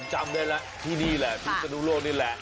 จำได้แล้วที่นี่แหละพิศนุโลกนี่แหละ